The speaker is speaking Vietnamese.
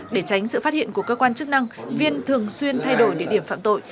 để tránh sự phát hiện của cơ quan chức năng viên thường xuyên thay đổi địa điểm phạm tội